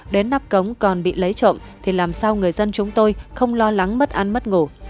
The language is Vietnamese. đến nắp cống còn bị lấy trộm thì làm sao người dân chúng tôi không lo lắng mất ăn mất ngủ